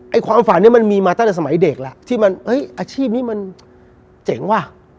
ความฝันนี้มันมีมาตั้งแต่สมัยเด็กแล้วที่มันอาชีพนี้มันเจ๋งว่ะ